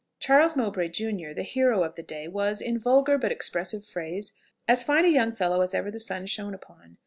Charles Mowbray junior, the hero of the day, was, in vulgar but expressive phrase, as fine a young fellow as ever the sun shone upon.